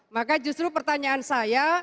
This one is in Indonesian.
maka justru pertanyaan saya